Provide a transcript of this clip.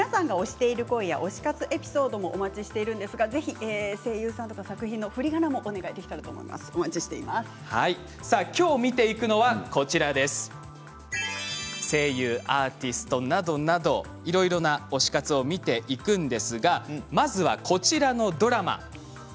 また皆さんが推している声や推し活エピソードもお待ちしているんですがぜひ声優さんや作品のふりがなも今日見ていくのは、声優アーティストなどなどいろいろな推し活を見ていくんですがまずはこちらのドラマ。